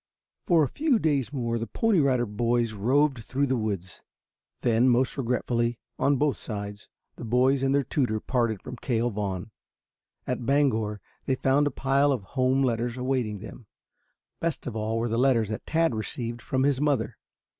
For a few days more the Pony Riders roved through the woods. Then, most regretfully on both sides the boys and their tutor parted from Cale Vaughn. At Bangor they found a pile of home letters awaiting them. Best of all were the letters that Tad received from his mother.